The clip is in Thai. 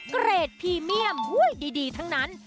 เกรดพรีเมียมดีทั้งนั้น